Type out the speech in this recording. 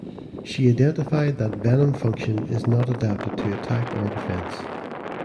She identified that venom function is not adapted to attack or defence.